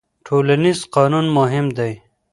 ټولنيز قانون مهم دی.